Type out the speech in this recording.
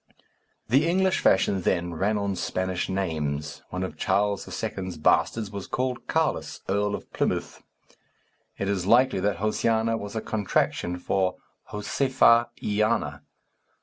The English fashion then ran on Spanish names. One of Charles II.'s bastards was called Carlos, Earl of Plymouth. It is likely that Josiana was a contraction for Josefa y Ana.